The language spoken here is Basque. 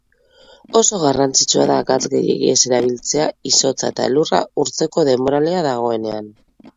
Oso garrantzitsua da gatz gehiegi ez erabiltzea izotza eta elurra urtzeko denboralea dagoenean.